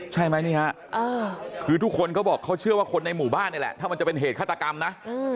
ใช่ไหมนี่ฮะคือทุกคนเขาบอกเขาเชื่อว่าคนในหมู่บ้านนี่แหละถ้ามันจะเป็นเหตุฆาตกรรมนะ